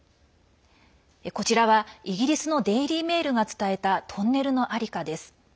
こちらはイギリスのデイリー・メールが伝えたトンネルの在りかです。